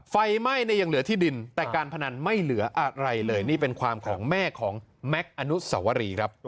ไฟไหม้เนี่ยยังเหลือที่ดินแต่การพนันไม่เหลืออะไรเลยนี่เป็นความของแม่ของแม็กซ์อนุสวรีครับ